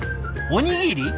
おにぎり？